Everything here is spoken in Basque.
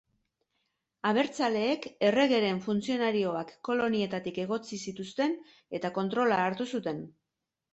Abertzaleek erregeren funtzionarioak kolonietatik egotzi zituzten eta kontrola hartu zuten.